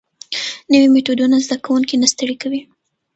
نوي میتودونه زده کوونکي نه ستړي کوي.